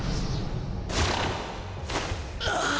ああ！